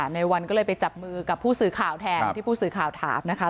ในวันก็เลยไปจับมือกับผู้สื่อข่าวแทนที่ผู้สื่อข่าวถามนะคะ